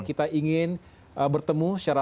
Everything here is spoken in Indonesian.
kita ingin bertemu secara